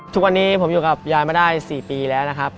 ทุกวันนี้ผมอยู่กับยายมาได้๔ปีแล้วนะครับ